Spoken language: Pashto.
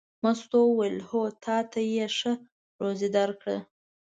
مستو وویل: هو تا ته یې ښه روزي درکړه.